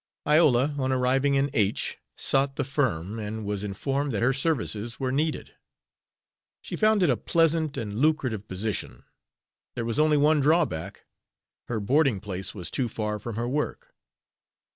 Iola, on arriving in H , sought the firm, and was informed that her services were needed. She found it a pleasant and lucrative position. There was only one drawback her boarding place was too far from her work.